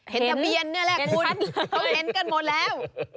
เห็นทะเบียนนี่แหละคุณเขาเห็นกันหมดแล้ว